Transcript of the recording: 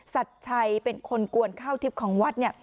ชัดชัยเป็นคนกวนข้าวทิพย์ของวัด